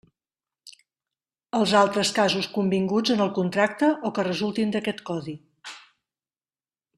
Els altres casos convinguts en el contracte o que resultin d'aquest codi.